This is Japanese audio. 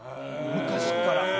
昔から。